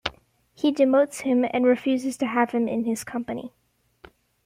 He demotes him, and refuses to have him in his company.